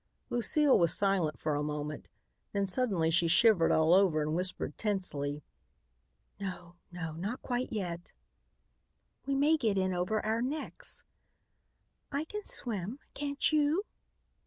Lucile was silent for a moment. Then suddenly she shivered all over and whispered tensely: "No no, not quite yet." "We may get in over our necks." "I can swim. Can't you?"